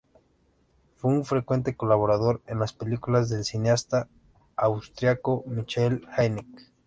Fue un frecuente colaborador en las películas del cineasta austríaco Michael Haneke.